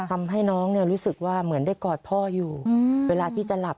ทำให้น้องรู้สึกว่าเหมือนได้กอดพ่ออยู่เวลาที่จะหลับ